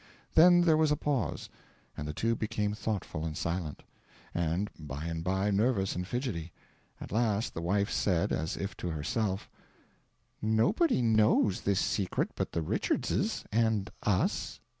Then there was a pause, and the two became thoughtful and silent. And by and by nervous and fidgety. At last the wife said, as if to herself, "Nobody knows this secret but the Richardses... and us...